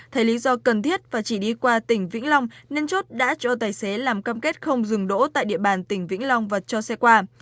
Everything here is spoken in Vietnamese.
thấy lý do cần thiết và chỉ đi qua tỉnh vĩnh long nên chốt đã cho tài xế làm cam kết không dừng đỗ tại địa bàn tỉnh vĩnh long và cho xe qua